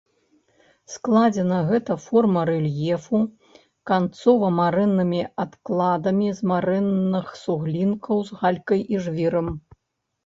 Складзена гэта форма рэльефу канцова-марэннымі адкладамі з марэнных суглінкаў з галькай і жвірам.